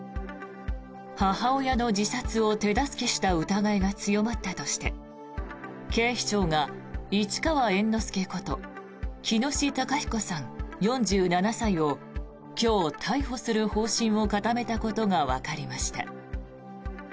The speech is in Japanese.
母親の自殺を手助けした疑いが強まったとして警視庁が、市川猿之助こと喜熨斗孝彦さん、４７歳を今日、逮捕する方針を固めたことがわかりました。